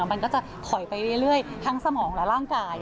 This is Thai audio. มันก็จะถอยไปเรื่อยทั้งสมองและร่างกาย